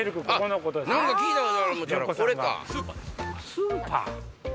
スーパー。